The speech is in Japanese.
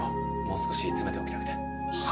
もう少し詰めておきたくて。